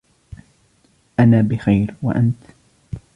انا بخير ، وانت ؟